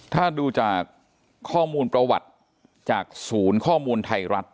ถ้าดูจากข้อมูลประวัติจากศูนย์ข้อมูลไทยรัฐ